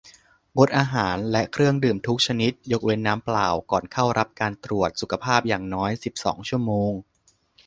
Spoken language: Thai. งดอาหารและเครื่องดื่มทุกชนิด ยกเว้นน้ำเปล่า ก่อนเข้ารับการตรวจสุขภาพอย่างน้อย สิบสอง ชั่วโมง